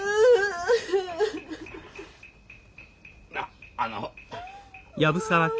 あっあの。